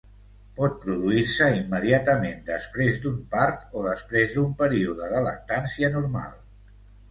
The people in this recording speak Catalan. Pot produir-se immediatament després d'un part o després d'un període de lactància normal.